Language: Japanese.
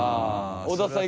小田さん